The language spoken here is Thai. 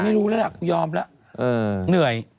ไม่รู้แล้วล่ะยอมแล้วเหนื่อย